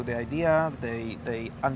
benar benar membeli ide ini